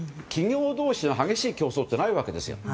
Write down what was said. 企業同士の激しい競争がないわけです。